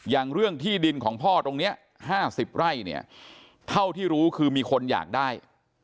อย่างเรื่องที่ดินของพ่อตรงนี้๕๐ไร่เนี่ยเท่าที่รู้คือมีคนอยากได้